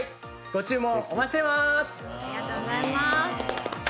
ご注文お待ちしてまーす！